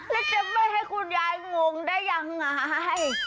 แล้วจะไม่ให้คุณยายงงได้ยังไง